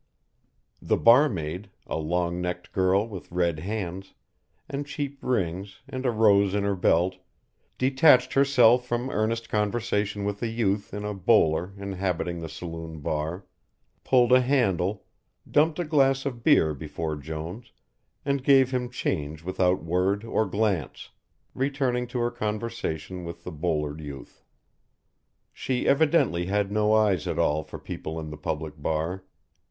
The barmaid, a long necked girl with red hands, and cheap rings and a rose in her belt, detached herself from earnest conversation with a youth in a bowler inhabiting the saloon bar, pulled a handle, dumped a glass of beer before Jones and gave him change without word or glance, returning to her conversation with the bowlered youth. She evidently had no eyes at all for people in the public bar.